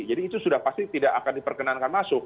jadi itu sudah pasti tidak akan diperkenankan masuk